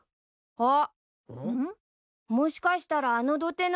あっ！